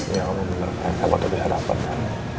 ya allah bener saya bakal bisa dapet ya